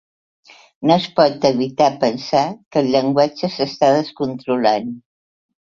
No es pot evitar pensar que el llenguatge s'està descontrolant.